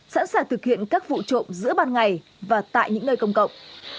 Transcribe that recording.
sẵn sàng thực hiện các vụ trộm giữa ban ngày và tại những nơi công cộng